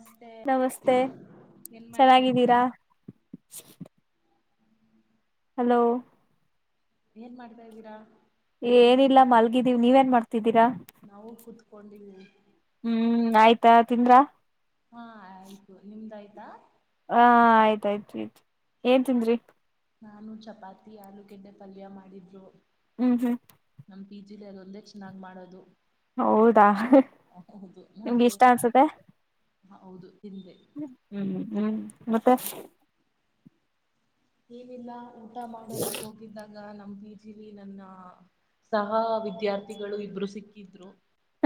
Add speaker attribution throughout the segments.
Speaker 1: ನಮಸ್ತೆ
Speaker 2: ನಮಸ್ತೆ
Speaker 1: ಏನ್ ಮಾಡ್ತಾ ಇದ್ದೀರಾ
Speaker 2: ಚೆನ್ನಾಗಿದ್ದೀರಾ ಹಲೋ
Speaker 1: ಏನ್ ಮಾಡ್ತಾದೀರಾ
Speaker 2: ಏನಿಲ್ಲ ಮಲ್ಗಿದೀವ ನೀವ ಏನ್ ಮಾಡ್ತಿದ್ದೀರಾ
Speaker 1: ನಾವು ಕುೂತ್ಕೊಂಡಿದ್ದೀವಿ
Speaker 2: ಹ್ಮ್ ಆಯ್ತಾ ತಿಂದ್ರಾ
Speaker 1: ಹಾ ಆಯ್ತು ನಿಮ್ದಾಯ್ತಾ
Speaker 2: ಹ ಆಯ್ತಾಯ್ತ್ ಆಯ್ತ್ ಏನ್ ತಿಂದ್ರಿ
Speaker 1: ನಾನು ಚಪಾತಿ ಆಲೂ ಗೆಡ್ಡೆ ಪಲ್ಯ ಮಾಡಿದ್ರು
Speaker 2: ಹ್ಮ್ ಹ್ಮ್
Speaker 1: ಜಿಲ್ಲ ಅದು ಒಂದೇ ಚೆನ್ನಾಗಿ್ ಮಾಡೋದು
Speaker 2: ಹೌದಾ ನಿಮ್ಗಿಷ್ಟ ಅನ್ಸುತ್ತೆ
Speaker 1: ಹ ಹೌದು ತಿಂದೆ
Speaker 2: ್ಮ ಹ್ಮ್ ಹ್ಮ್ ಮತ್ತೆ
Speaker 1: ಏನಿಲ್ಲ ಊಟಾ ಮಾಡೋದಿಕ್ ಹೋಗಿದ್ದಾಗ ಈಗ ನಮ ಪ ಜಿಲಿ ನನ್ನ ಸಹ ವಿದ್ಯಾರ್ಥಿಗಳು ಇಬ್ರು ಸಿಕ್ಕಿದ್ರು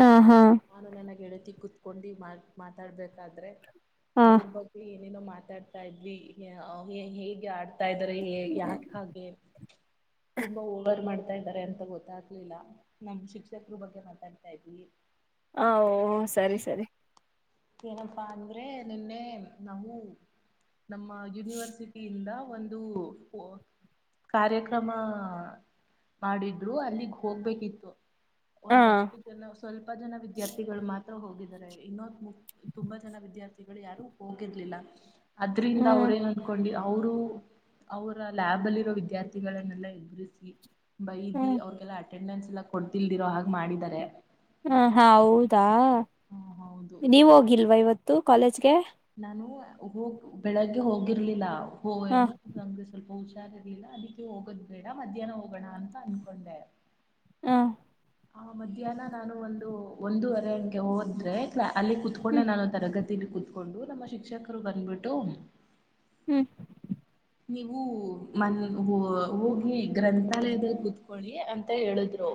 Speaker 2: ಹ ಹಾ
Speaker 1: ನಾನು ನನಗೆ ಎಳತಿ ಕುೂತ್ಕೊಂಡು ಮಾ ಮಾತಾಡ್ಬೇಕಾದ್ರೆ
Speaker 2: ಹ
Speaker 1: ಅವ್ರ ಬಗ್ಲಿ ಏನೇನೋ ಮಾತಾಡ್ತಾ ಇದ್ವಿ ಹೇಗೆ ಆಡ್ ತಾ ಇದಾರೆ ಯಾಕ ಹಾಗೆ ತುಂಬಾ ಹೋರ್ ಮಾಡ್ತ ತಾ ಇದ್ದಾರೆ ಅಂತ ಗೊತ್ತಾಗ್ಲಿಲ್ಲ ನಮ್ ಶಿಕ್ಷಕರು ಬಗ್ಗೆ ಮಾತಾಡ್ತಾ ಇದ್ವಿ
Speaker 2: ಹ ಸರಿ ಸರಿ
Speaker 1: ಏನಪ್ಪಾ ಅಂದ್ರೆ ನಿನ್ನೆ ನಾವು ನಮ್ಮ ಯುನಿವರ್ಸಿಟಿಯಿಂದ ಒಂದು ಕಾರ್ಯಕ್ರಮ ಮಾಡಿದ್ರು ಅಲ್ಲಿಗ್ ಹೋಗ್ಬೇಕಿತ್ತು
Speaker 2: ಹ
Speaker 1: ಒಂದಷ್ಟು ಜನ ಸ್ವಲ್ಪ ಜನ ವಿದ್ಯಾರ್ಥಿಗಳು ಮಾತ್ರ ಹೋಗಿದಿದ್ದಾರೆ ಇನ್ನೊ ಮು ತುಂಬಾ ಜನ ವಿದ್ಯಾರ್ಥಿಗಳು ಯಾರು ಹೋಗಿರ್ಲಿಲ್ಲ ಅದ್ರಿಂದ
Speaker 2: ಹ್ಮ್
Speaker 1: ಅವ್ರೇನ್ ಅನ್ಕೊಂಡು ಅವರು ಅವರ ಲ್ಯಾಬ್ ಅಲ್ಲಿರೋ ವಿದ್ಯಾರ್ಥಿಗಳನ್ನೆಲ್ಲ ಎದುರಿಸಿ ಬೈದಿ
Speaker 2: ಹ್ಮ್
Speaker 1: ಅವ್ರಿಗೆಲ್ಲ ಅಟೆಂಡನ್ಸ್ ಎಲ್ಲ ಕೊಡ್ತಿಲ್ದಿರೋ ಹಾಗೆ ಮಾಡಿದಿದ್ದಾರೆ
Speaker 2: ಹ ಹಾ ಹೌದಾ
Speaker 1: ಹೌದು
Speaker 2: ನೀವ ಹೋಗಿಲ್ವಾ ಇವತ್ತು ಕಾಲೇಜ್ಗೆ
Speaker 1: ನಾನು ಹೋಗ ಬೆಳಗ್ಗೆ ಹೋಗಿರ್ಲಿಲ್ಲ ಹ ಏನು ನಮಗೆ ಸ್ವಲ್ಪ ಹುಷಾರದಿಲ್ಲ ಅದಕ್ಕೆ ಹೋಗೋದ್ ಬೇಡ ಮಧ್ಯಾಹ್ನ ಹೋಗೋಣ ಅಂತ ಅನ್ಕೊಂಡೆ
Speaker 2: ಹ
Speaker 1: ಆ ಮಧ್ಯಾಹ್ನ ನಾನು ಒಂದು ಒಂದೂವರೆ ಹಂಗೆ ಹೋದ್ರೆ ಆಲಾ ಅಲ್ಲಿ
Speaker 2: ಹ್ಮ್
Speaker 1: ಕುೂತ್ಕೊಂಡೆ ನಾನು ತರಗತಿಿನ ಕುೂತ್ಕೊಂಡು ನಮ್ಮ ಶಿಕ್ಷಕರು ಬಂದ್ಬಿಟ್ಟು
Speaker 2: ಹ್ಮ್
Speaker 1: ನೀವು ಮನ್ ಹೋಗಿ ಗ್ರಂಥಾಲಯದ ಕುೂತ್ಕಿ ಅಂತ ಹೇಳಿದ್ರು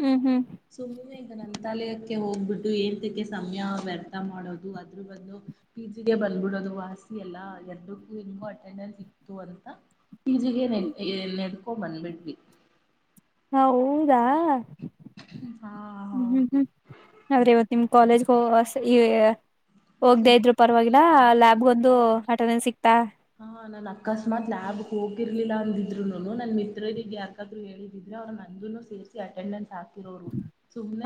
Speaker 2: ಹ್ಮ್ ಹ್ಮ್
Speaker 1: ಸುಮ್ಮ ನೀಕ ನಾನ ಗ್ರಂಥಾಲಯಕ್ಕೆ ಹೋಗ್ಬಿಟ್ಟು ಏಳ್ತಕ್ಕೆ ಸಮಯ ವ್ಯರ್ಥ ಮಾಡೋದು ಅದ್ರೂ ಬಂದು ಪಿ ಜಿಗೆ ಬಂದ್ಬಿಡೋ ಅದು ವಾಸಿ ಅಲ್ಲಾ ಎರಡಕ್ಕೂ ನಿೋ ಅಟೆಂಡೆನ್ಸ್ ಇ ಅಂತ ಈಜಗ ನೆ ನೆಡ್ಕೊ ಬಂದಬಿಡ್ವಿ
Speaker 2: ಹೌದಾ
Speaker 1: ಹಾ
Speaker 2: ಹ್ಮ್ ಹ್ಮ್
Speaker 1: ಹೌದು
Speaker 2: ಹ್ಮ್ ಅವ್ರೆ ಇವತ್ತು ನಿಮ್ ಕಾಲೇಜ್ಗ ಈ ಹೋಗ್ದೇ ಇದ್ರು ಪರವಾಗಿಲ್ಲ ಲ್ಯಾಬ್ಗ ಒಂದು
Speaker 1: ಅದು
Speaker 2: ಅಟೆಂಡೆನ್ಸ್ ಸಿಕ್ತಾ
Speaker 1: ಹಾ ನಾನ್ ಅಕಸ್ಮಾತ್ ಲ್ಯಾಬ್ ಹೋಗಿರ ಿಲ್ಲ ಅಂದಿದ್ರು ನನ್ನ ಮಿತ್ರಗ್ ಯಾಕಾದ್ರು ಹೇಳಿದ್ರೆ ಅವರು ನಂದನ್ನುನು ಸೇರಿಸಿ ಅಟೆಂಡೆನ್ಸ್ ರೋರು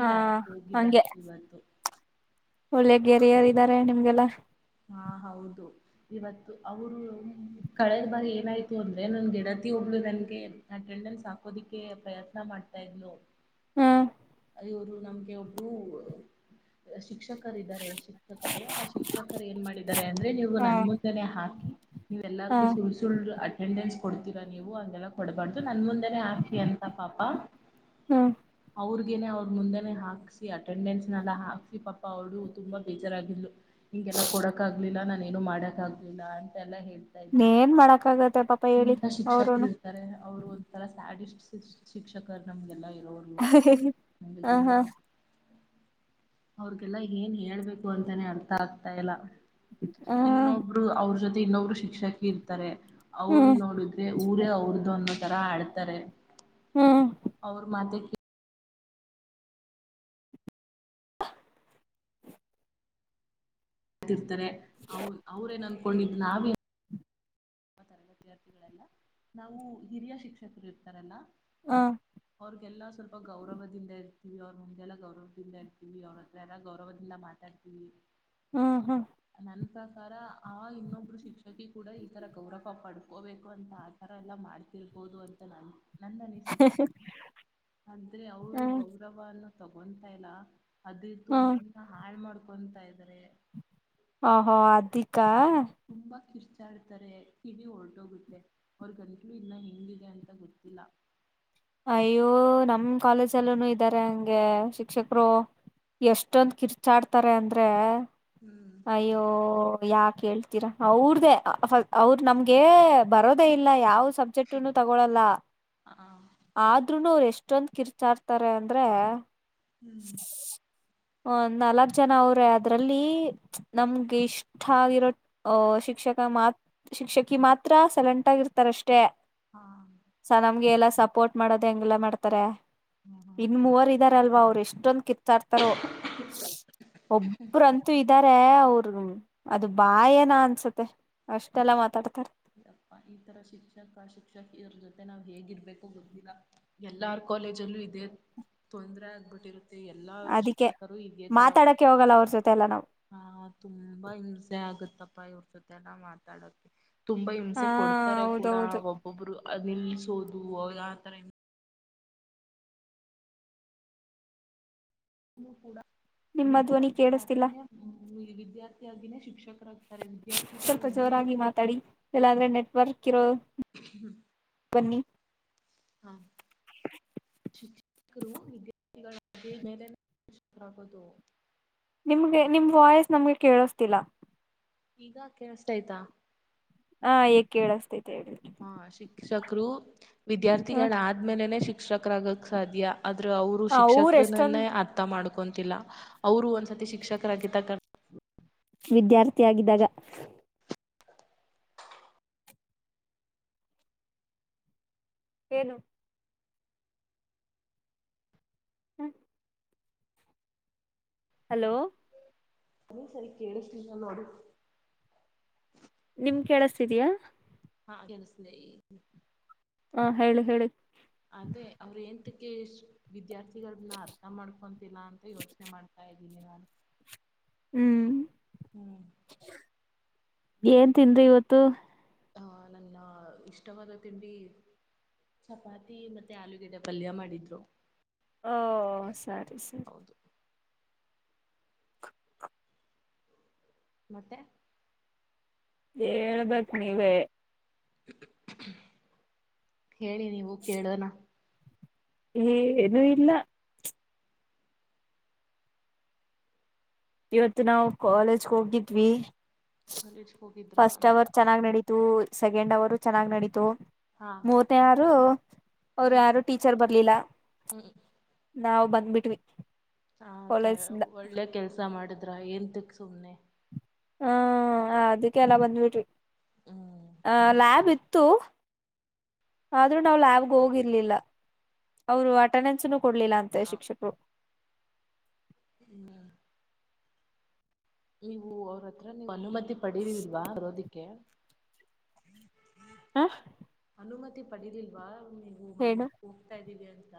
Speaker 2: ಹ
Speaker 1: ಆಯ್ತು
Speaker 2: ಹಂಗೆ
Speaker 1: ಹೋಗಿದಾಯ್ತು ಇವತ್ತು
Speaker 2: ಒಳ್ಳೆ ಗೆರಿಯರ್ ಇದಾರೆ ನಿಮ್ಗೆಲ್ಲ
Speaker 1: ಹಾ ಹೌದು ಇವತ್ತು ಅವರು ಕಳೆದ ಬಾಗ ಏನಾಯ್ತು ಅಂದ್ರೆ ನನ್ ಗಿಡದ ಪ್ರತಿಯೊಬ್ಳ ನನ್ಗೆ ಅಟೆಂಡನ್ಸ್ ಹಾಕೋದಿಕ್ಕೆ ಪ್ರಯತ್ನ ಮಾಡ್ತಾ ಇದ್ಲು
Speaker 2: ಹ್ಮ
Speaker 1: ಅವರು ನಮ್ಗೆ ಒಬ್ರು ಶಿಕ್ಷಕರ ಇದಾರೆ ಶಿಕ್ಷಕರು ಆ ಶಿಕ್ಷಕರು ಏನ್ ಮಾಡಿದ್ದಾರೆ ಅಂದ್ರೆ ನೀವು
Speaker 2: ಹಾ
Speaker 1: ನನ್ ಮುಂದೆನೆೇ ಹಾಕಿ
Speaker 2: ಹ
Speaker 1: ಎಲ್ಲಾರ್ಗು ಸುಳ್ ಸುಳ್ಳು ಅಟೆಂಡೆನ್ಸ್ ಕೊಡ್ತೀರಾ ನೀವು ಅಂದೆಲ್ಲಾ ಕೊಡಬಾರ್ದು ನನ್ ಮುಂದೆನೆ ಹಾಕಿ ಅಂತ ಪಾಪ
Speaker 2: ಹ್ಮ್
Speaker 1: ಅವ್ರ ನೆ ಅವರು ಮುಂದೆನೆ ಹಾಕ್ಸಿ ಅಟೆಂಡೆನ್ಸ್ ನಲ್ಲ ಹಾಕ್ಸಿ ಪಾ ಅವರು ತುಂಬಾ ಬೇಜಾರಾಗಿಲು ಎಲ್ಲ ಕೊಡಕ್ ಆಗ್ಲಿಲ್ಲ ನಾನ ಏನು ಮಾಡಕ್ ಆಗ್ಲಿಲ್ಲ ಅ ಎಲ್ಲ ಹೇಳ
Speaker 2: ಏನ್ ಮಾಡಕ್ ಆಗತ್ತೆ ಪಾಪ ಹೇಳಿ
Speaker 1: ಇಂತ ಶಿಕ್ಷಕರು
Speaker 2: ಅವರುನು
Speaker 1: ಇರ್ತಾರೆ ಅವರು ಒಥರ ಸ್ಯಾಡಿಸ್ ಶಿಕ್ಷಕರ್ ನಮ್ಗೆಲ್ಲಾ
Speaker 2: [unintelligible]
Speaker 1: ಂಬ ತುಂಬ ಅವ್ರಿಗೆಲ್ಲ ಏನ್ ಹೇಳ್ಬೇಕು ಅಂತಾನೇ ಅರ್ಥ ಆಗ್ತಾ ಇಲ್ಲ ಇನ್ನೊಬ್ರು ಅವ್ರ ಜೊತೆ ಇನ್ನೊಬ್ರು ಶಿಕ್ಷಕಿ ಇರ್ತಾರೆ ಅವ್ರ
Speaker 2: ಹ್ಮ್
Speaker 1: ನೋಡಿದ್ರೆ ಊರೇ ಅವ್ರದುು ಅನ್ನೋ ತರ ಆಡ್ತಾರೆ
Speaker 2: ಹ್ಮ್
Speaker 1: ಅವ ಮಾತೆ
Speaker 2: [inaudible]
Speaker 1: ಮಾಡತಿರ್ತಾರೆ ಅವ ಅವ್ರೇಏನ್ ಅನ್ಕೊಂಡಿದ್ ನಾವಿ ವಿದ್ಯಾರ್ಥಿಗಳೆಲ್ಲ ನಾವು ಹಿರಿಯ ಶಿಕ್ಷಕರು ಇರ್ತಾರಲ್ಲ
Speaker 2: ಹ
Speaker 1: ಅವ್ರರಿಗೆಲ್ಲ ಸ್ವಲ್ಪ ಗೌರವದಿಂದ ಇರ್ತೀವಿ ಅವ್ರ ಮುಂದೆಲ್ಲಾ ಗೌರವದಿಂದ ಇರ್ತೀವಿ ಅವ್ರತ್ರ ಎಲ್ಲ ಗೌರವದಿಂದ ಮಾತಾ [inaudible]
Speaker 2: ಹ್ಮ್ ಹ್ಮ್
Speaker 1: ಪ್ರಕಾರ ಆ ಇನ್ನೊಬ್ರು ಶಿಕ್ಷಕಿ ಕೂಡ ಈ ತರ ಗೌರವ ಪಡ್ಕೋಬೇಕು ಅಂತ ಆತರ ಎಲ್ಲಾ ಮಾಡ್ತಿರ್ಬೋದು ಅಂತ ನನ್ ನನ್ನ ಅನಿಸಿಕೆ ಆದ್ರೆ ಅವರು
Speaker 2: ಹ್ಮ್
Speaker 1: ಗೌರವನ್ನ ತಗೊತಾಲ್ಲ ಅದ್ರ
Speaker 2: ಹ್ಮ್
Speaker 1: ತುಿನ ಹಾಳ್ ಮಾಡ್ಕೊತಾ ಇದಾರೆ
Speaker 2: ಆಹೋ ಅಧಿಕಾ
Speaker 1: ತಿಿರ್ಚಾಡ್ತಾರೆ ಕಳಿ ಹೊರ್ಟೋಗುತ್ತೆ ಅವ್ರ ಗಂಟ್ಲು ಇನ್ನ ಹೆಿಂಗಿದೆ ಅಂತ ಗೊತ್ತಿಲ್ಲ [inaudible]
Speaker 2: ಅಯ್ಯೋ ನಮ್ ಕಾಲೇಜಲ್ಲ ಇದ್ದಾರೆ ಹಂಗೆ ಶಿಕ್ಷಕರು ಎಷ್ಟೊಂದ್ ಕಿರ್ಚಾಡ್ತಾರೆ ಅಂದ್ರೆ
Speaker 1: ಹ್ಮ್
Speaker 2: ಅಯ್ಯೋ ಯಾಕ್ ಹೇಳ್ತೀರಾ ಅವ್ರ್ದೇ ಅವ್ರ ನಮ್ಗೆ ಬರೋದ ಇಲ್ಲ ಯಾವ ಸಬ್ಜೆಕ್ಟ್ನು ತಗೊಳಲ್ಲ
Speaker 1: ಹಾ
Speaker 2: ಆದ್ೂನು ಅವರು ಎಷ್ಟ ಇಷ್ಟೊಂದ್ ಕಿರ್ಚಾಡ್ತಾರೆ ಅಂದ್ರೆ
Speaker 1: ಹ್ಮ್
Speaker 2: ್ ನಾಲ್ಕ್ ಜನ ಅವ್ರೆ ಅದ್ರಲ್ಲಿ ನಮ್ಗೆ ಇಷ್ಟ ಆಗಿರೋ ಅಹ ಶಿಕ್ಷ ಶಿಕ್ಷ ಶಿಕ್ಷಕಿ ಮಾತ್ರ ಸೈಲೆಂಟ್ ಆಗಿರ್ತಾರೆ ಅಷ್ಟೆ ಟೆ
Speaker 1: ಹಾ
Speaker 2: ಸ ನಮ್ಗೆ ಎಲ್ಲ ಸಪೋರ್ಟ್ ಮಾಡೋದು ಹೆಂಗೆಲ್ಲ ಮಾಡ್ತಾರೆ ಇನ್ ಮೂವರ್ ಇದ್ದಾರಲ್ವಾ ಅವರು ಎಷ್ಟೊಂದ್ ಕಿತ್ತಾಡ್ತಾರೋ ಒಬ್ಬರಂತೂ ಇದ್ದಾರೆ ಅವರು ಅದು ಬಾಯನ ಅನ್ಸತ್ತೆ ಅಷ್ಟೆಲ್ಲಾ ಮಾತಾಡ್ತಾರ
Speaker 1: ಪ್ಪ ಈ ತರ ಶಿಕ್ಷಕ ಶಿಕ್ಷಕ ಇದರ ಜೊತೆ ನಾವ್ ಹೇಗಿರ್ಬೇಕು ಗೊತ್ತಿಲ್ಲ ಎಲ್ಲಾರ ಕಾಲೇಜಲ್ಲೂ ಇದ ತೊಂದ್ರೆ ಆಗ್ಬಿಟ್ಟಿರುತ್ತೆ ಎಲ್ಲಾ
Speaker 2: ಅದಕ್ಕೆ
Speaker 1: ಶಿಕ್ಷಕರು ಇದೇ ತರ
Speaker 2: ಮಾತಾಡಕ್ಕೆ ಹೋಗಲ್ಲ
Speaker 1: ಮಾತಾಡ್ತಾರೆ
Speaker 2: ಅವ್ರ ಜೊತೆ ಎಲ್ಲ ನಾವು
Speaker 1: ಹಾ ತುಂಬಾ ಹಿಂಸೆ ಆಗುತ್ತೆ ತ್ತಪ್ಪಾ ಇವ್ರ ಜೊತೆ ಎಲ್ಲಾ ಮಾತಾಡಕ್ಕೆೆ ತುಂಬಾ
Speaker 2: ಹಾ
Speaker 1: ಹಿಂಸೆ ಕೊಡ್ತಾರೆ ಕೂಡ
Speaker 2: ಹೌದೌದು
Speaker 1: ಒಬ್ಬೊಬ್ರು ನಿಲ್ಲಿಸೋದು ಆ ತರ ಇ ಕೂಡ
Speaker 2: ನಿಮ್ಮ ಧ್ವನಿ
Speaker 1: ವಿದ್ಯಾರ್ಥೇ
Speaker 2: ಕೇಳಿಸ್ತಿಲ್ಲ
Speaker 1: ವಿದ್ಯಾರ್ಥಿಯಾಗಿನೇ ಶಿಕ್ಷಕ
Speaker 2: ಸ್ವಲ್ಪ ಜೋರಾಗಿ ಮಾತಾಡಿ ಇಲ್ಲಂದ್ರೆ ನೆಟ್ವರ್ಕ್ ಇರೋ ಬನ್ನಿ
Speaker 1: ಹಾ ಶಿಕ್ಷಕರು ವಿದ್ಯಾರ್ಥಿಗಳ ಮೇಲೆಕರಾಗುದು
Speaker 2: ನಿಮ್ಗೆ ನಿಮ್ ವಾಯ್ಸ್ ನಮ್ಗೆ ಕೇಳೋಸ್ತಿಲ್ಲ
Speaker 1: ಈಗ ಕೇಳಷ್ಟಯ್ತಾ
Speaker 2: ಹಾ ಇಗ ಕೇಳಸ್ತೈತೆ ಹೇಳಿ
Speaker 1: ಹಾ ಶಿಕ್ಷಕರು
Speaker 2: ಹ
Speaker 1: ವಿದ್ಯಾರ್ಥಿಗಳಾದ್ಮೇಲೆನೆ ಶಿಕ್ಷಕರಾಗಕ್ ಸಾಧ್ಯ. ಆದ್ರ ಅವರು
Speaker 2: ಊರ್ ಎಷ್ಟೊಂದ
Speaker 1: ಶಿಕ್ಷಕರನ್ನನ್ನೇ ಅರ್ಥ ಮಾಡ ಹಕೊಂತಿಲ್ಲ ಅವರು ಒಂದ್ಸತಿ ಶಿಕ್ಷಕರಾಗಿದ್ದಗ
Speaker 2: ವಿದ್ಯಾರ್ಥಿಿಯಾಗಿದ್ದಾಗ ಏನು [inaudible] ಹಲೋ
Speaker 1: ಇನ್ನೊಂದ್ ಸಾರಿ ಕೇಳಿಸಲಿಲ್ಲ ನೋಡಿ
Speaker 2: ನಿಮ್ ಕೇಳಸ್ತಿದಯಾ
Speaker 1: ಹ ಕೆಲ್ಸ್ತಿದೇ ಹೇಳಿ.
Speaker 2: ಹಾ ಹೇಳಿ ಹೇಳಿ
Speaker 1: ಅವ್ರ ವಿದ್ಯಾರ್ಥಿಗಳನ್ನ ಅರ್ಥ ಮಾಡ್ಕೊಂತಿಲ್ಲಾ ಅಂತ ಯೋಚನೆ ಮಾಡ್ತಾ ಇದ [inaudible]
Speaker 2: ಹ್ಮ್
Speaker 1: ಹ್ಮ್
Speaker 2: ಏನ್ ತಿಂದ್ರಿ ಇವತ್ತು
Speaker 1: ಹ ನನ್ನ ಇಷ್ಟವಾದ ತಿಂಡಿ ಚಪಾತಿ ಮತ್ತೆ ಆಲೂಗಿಡ್ಡೆ ಪಲ್ಯ ಮಾಡಿದ್ರು.
Speaker 2: ಓ ಸರಿ ಸರಿ
Speaker 1: ಹೌದು ಮತ್ತೆ
Speaker 2: ಹೇಳ್ಬೇಕು ನೀವೇ
Speaker 1: ಹೇಳಿ ನೀವು ಕೇಳೋಣ
Speaker 2: ಏ ಏನು ಇಲ್ಲ ಇವತ್ತು ನಾವು ಕಾಲೇಜ್ಗೆ ಹೋಗಿದ್ವಿ
Speaker 1: ಕಾಲೇಜ್ಗೆ ಹೋಗಿದ್ರಾ
Speaker 2: ಫಸ್ಟ್ ಅವರ್ ಚೆನ್ನಾಗ್ ನಡೀ ಸೆಕೆಂಡ್ ಅವರು ಚೆನ್ನಾಗ್ ನಡೀತು
Speaker 1: ಹಾ
Speaker 2: ಮೂವತ್ನ ಯಾರು ಅವರು
Speaker 1: ಹ್ಮ್
Speaker 2: ಯಾರು ಟೀಚರ್ ಬರ್ಲಿಲ್ಲ.
Speaker 1: ಹ್ಮ್
Speaker 2: ನಾವ್ ಬಂದ್ಬಿಟ್ವಿ.
Speaker 1: ಹ ಕ
Speaker 2: ಕಾಲೇಜ್ ಇಂದ
Speaker 1: ಒಳ್ಳೆ ಕೆಲ್ಸ ಮಾಡಿದ್ರ ಏನ್ಂತಕ್ ಸುಮ್ನೆ
Speaker 2: ಹ್ಮ ಅದಕ್ಕೆಲ್ಲ ಬಂದ್ಬಿಟ್ವಿ
Speaker 1: ಹ್ಮ್
Speaker 2: ಆ ಲ್ಯಾಬ್ ಇತ್ತು. ಆದ್ರೂ ನಾ ಲ್ಯಾಬ್ ಹೋಗಿರ್ಲಿಲ್ಲ ಅವರು ಆಟನನ್ಸ್ ಕೊಡ್ಲಿಲ್ಲ ಅಂತೆ ಶಿಕ್ಷಕರು.
Speaker 1: ಹ್ಮ ನೀವು ಅವ್ರ ಹತ್ರ ನೀವು ಅನುಮತಿ ಪಡಿಲಿಲ್ವಾ ಬರೋದಿಕ್ಕೆ.
Speaker 2: ಆ
Speaker 1: ಅನುಮತಿ ಪಡದಿಲ್ವಾ ನೀವು ಮನ್ ಹೋಗ್ತಾ ಇದ್ದೀವಿ ಅಂತ.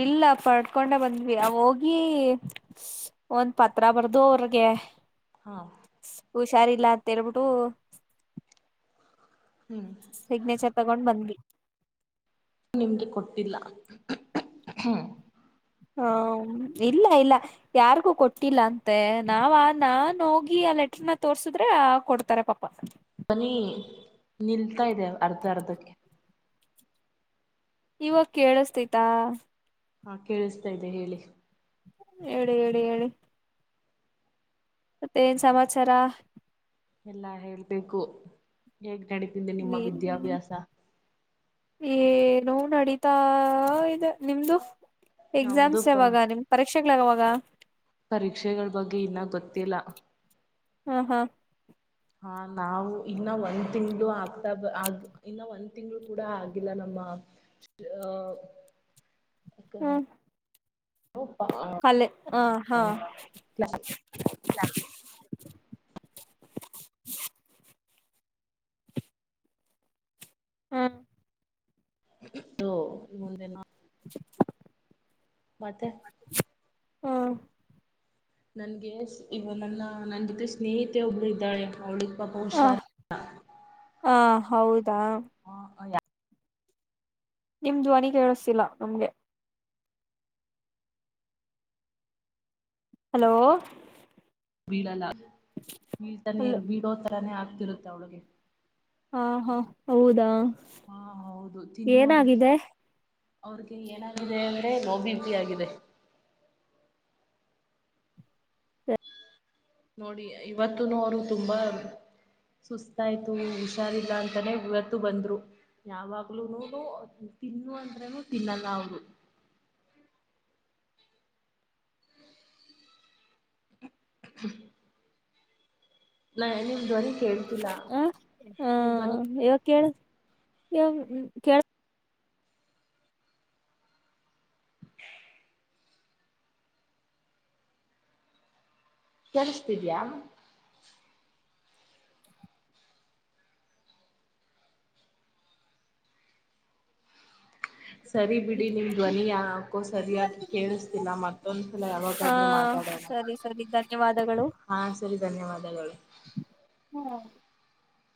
Speaker 2: ಇಲ್ಲ ಪಡ್ಕೊಂಡೆ ಬಂದ್ವಿ ಹೋಗಿ ಒಂದ್ ಪತ್ರ ಬರ್ದು ಅವರ್ಗೆ. [inaudible]
Speaker 1: ಹಾ
Speaker 2: ಹುಷಾರ್ ಇಲ್ಲ ಅಂತ ಹೇಳ್ಬಿಟ್ಟು.
Speaker 1: ಹ್ಮ್
Speaker 2: ಸಿಗ್ನೇಚರ್ ತಗೊಂಡ್ ಬಂದ್ವಿ.
Speaker 1: ನಿಮ್ಗೆ ಕೊಟ್ಟಿಲ್ಲ ಹ್ಮ್
Speaker 2: ಹ ಇಲ್ಲ ಇಲ್ಲ ಯಾರಿಗೂ ಕೊಟ್ಟಿಲ್ಲ ಅಂತೆ ನಾವ ನಾ ಹೋಗಿ. ಲೆಟರ್ ನ ತೋರ್ಸಿದ್ರೆ ಕೊಡ್ತಾರೆ ಪಾಪ.
Speaker 1: ಹನಿ ನಿಲ್ತಾ ಇದೆ ಅರ್ಧ ಅರ್ಧಕ್ಕೆ.
Speaker 2: ಇವಾಗ ಕೇಳಿಸತೈತಾ.
Speaker 1: ಹಾ ಕೇಳಿಸತಾ ಇದ್ದೆ ಹೇಳಿ
Speaker 2: ಹೇಳಿ ಹೇಳಿ ಹೇಳಿ ಮತ್ತೆ ಏನ್ ಸಮಾಚಾರ
Speaker 1: ಎಲ್ಲಾ ಹೇಳ್ಬೇಕು ಹೇಗ್ ನಡತಿದೆೆ ನಿಮ್ಮ ವಿದ್ಯಾಭ್ಯಾಸ.
Speaker 2: ಏ ನೋ ನಡೀತಾ ಇ ನಿಮ್ದು ಎಕ್ಸಾಮ್ಸ್
Speaker 1: ನಮ್ದು
Speaker 2: ಯಾವಾಗ ನಿಮ್ ಪರೀಕ್ಷೆಕ್ಗಳಗಾವಾಗ
Speaker 1: ಪರೀಕ್ಷೆಗಳ ಬಗ್ಗೆ ಇನ್ನ ಗೊತ್ತಿಲ್ಲ
Speaker 2: ಹ್ಮ ಹ್ಮ
Speaker 1: ಹಾ ನಾವು ಇನ್ನ ಒಂದ್ ತಿಂಗ್ಳ ಆಗ್ತಾ ಬ ಆ ಇನ್ನ ಒಂದ್ ತಿಂಗ್ಗಳು ಕೂಡ ಆಗಿಲ್ಲ ನಮ್ ಆ
Speaker 2: ಹ್ಮ್ ಕಾಲ ಆ ಹಾ ಹ ಹ್ಮ
Speaker 1: ಹೋ ಮುಂದೆ ನ
Speaker 2: [unintelligible]
Speaker 1: ಮತ್ತೆ
Speaker 2: ಹಾ
Speaker 1: ನನ್ಗೆ ಇವ ನನ್ನ ನನ್ ಜೊತೆ ಸ್ನೇಹಿತೆ ಒಬ್ಳ ಇದ್ದಾಳೆ ಅವಳಿಗೆ ಬಹುಸರೆಲಾ
Speaker 2: ಹಾ ಹೌದಾ
Speaker 1: ಹ ಯ
Speaker 2: ನಿಮ ಜ್ವನಿ ಕೇಳಿಸ್ತಿಿಲ್ಲಾ ನಮ್ಗೆ ಹಲೋ
Speaker 1: ಬೀಳಲ್ಲ ಬೀಳ್ತಾನ
Speaker 2: ಹಲೋ
Speaker 1: ಬೀಳೋತರಾನೇ ಆಗ್ತಿರುತ್ತೆ ಅವಳಗೆ
Speaker 2: ಹಾ ಹಾ ಹೌದಾ
Speaker 1: ಹಾ ಹೌದು ತಿನ್ನು ಅಂದ್ರೆ
Speaker 2: ಏನಾಗಿದೆ
Speaker 1: ಅವ್ರಿಗೆ ಏನಾಗಿದೆ ಅಂದ್ರೆ ಲೋಬೆಪಿ ಆಗಿದೆ ನೋಡಿ ಇವತ್ತುನು ಅವರು ತುಂಬಾ ಸುಸ್ತಾಯ್ತು ಹುಷಾರಿಲ್ಲ ಅಂತಾನೇ ಇವತ್ತು ಬಂದ್ರು ಯಾವಾಗ್ಲೂ ನೋಡು ತಿನ್ನು ಅಂದ್ರನು ತಿನ್ನಲ್ಲ ಅವರು [unintelligible] ನಾ ನಿಮ್ದ್ ಅರಿ
Speaker 2: ಹ ಹಾ ಇವ ಕೇಳ ಇ ಕ
Speaker 1: [unintelligible] ಕಳಿಸ್ತಿದ್ಯಾ ಸರಿ ಬಿಡಿ ನಿಮ್ ಧ್ವನಿ ಯಾ ಹಾಕೋ ಸರಿಯಾಗಿ ಕೇಳಿಸ್ತಿಲ್ಲ ಮತ್ತೊಂದ್ಸಲ
Speaker 2: ಹಾ
Speaker 1: ಯಾವಾಗಾದ್ರು ಮಾತಾಡ್
Speaker 2: ಸರಿ ಸರಿ ಧನ್ಯವಾದಗಳು.
Speaker 1: ಹಾ ಸರಿ ಧನ್ಯವಾದಗಳು
Speaker 2: ಹ್ಮ